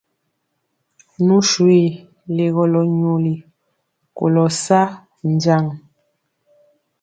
Nu swi legɔlɔ nyoli kolɔ sa jaŋ.